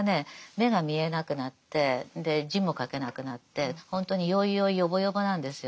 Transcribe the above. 目が見えなくなって字も書けなくなってほんとによいよいよぼよぼなんですよ。